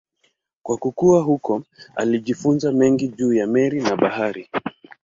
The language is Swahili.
Kwa kukua huko alijifunza mengi juu ya meli na bahari.